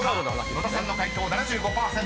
野田さんの解答７５％。